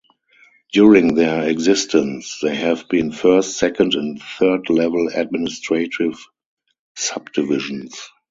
During their existence, they have been first-, second-, and third-level administrative subdivisions.